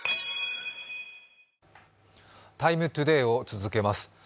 「ＴＩＭＥ，ＴＯＤＡＹ」を続けます。